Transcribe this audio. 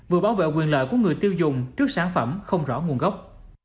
vừa bảo vệ quyền lợi của người tiêu dùng trước sản phẩm không rõ nguồn gốc